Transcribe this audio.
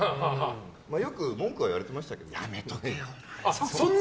よく文句は言われてましたけどね。